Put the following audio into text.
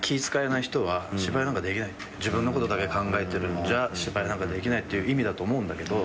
自分のことだけ考えてるんじゃ芝居なんかできないっていう意味だと思うんだけど。